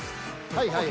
はいはい。